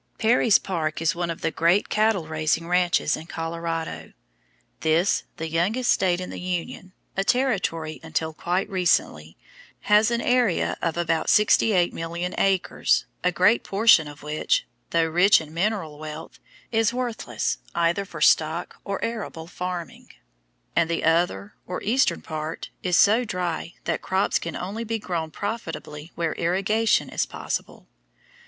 Perry's Park is one of the great cattle raising ranches in Colorado. This, the youngest State in the Union, a Territory until quite recently, has an area of about 68,000,000 acres, a great portion of which, though rich in mineral wealth, is worthless either for stock or arable farming, and the other or eastern part is so dry that crops can only be grown profitably where irrigation is possible.